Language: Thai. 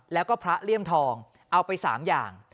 แล้วก็พระเลี่ยมทองเอาไป๓อย่าง